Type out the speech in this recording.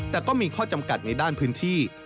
แต่ก็มีข้อจำกัดในด้านพื้นที่